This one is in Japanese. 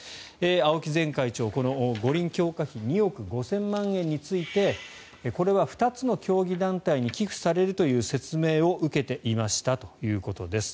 青木前会長、五輪強化費２億５０００万円についてこれは２つの競技団体に寄付されるという説明を受けていましたということです。